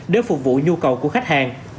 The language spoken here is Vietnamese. để phục vụ nhu cầu của khách hàng